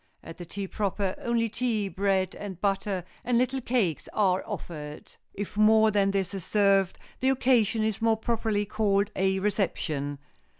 At the tea proper, only tea, bread and butter and little cakes are offered. If more than this is served the occasion is more properly called a reception.